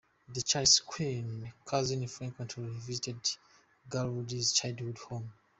Charles Keene, a cousin, frequently visited Garrod's childhood home.